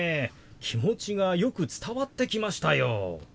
気持ちがよく伝わってきましたよ。